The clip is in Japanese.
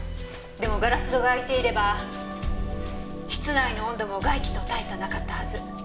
でもガラス戸が開いていれば室内の温度も外気と大差なかったはず。